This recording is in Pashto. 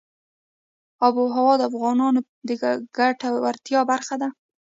آب وهوا د افغانانو د ګټورتیا برخه ده.